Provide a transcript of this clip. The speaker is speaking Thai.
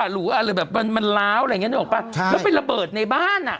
หรือแบบมันล้าวอะไรอย่างงี้ได้ออกปะแล้วไประเบิดในบ้านอะ